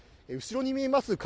後ろに見えます